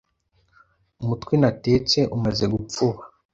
Umutwe natetse umaze gupfuba